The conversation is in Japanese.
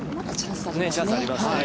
チャンスありますね。